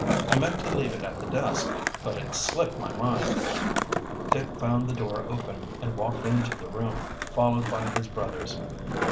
"I meant to leave it at the desk, but it slipped my mind." Dick found the door open and walked into the room, followed by his brothers.